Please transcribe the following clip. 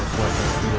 aku akan membunuh